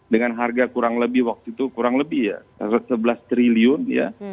dengan harga kurang lebih waktu itu kurang lebih ya sebelas triliun ya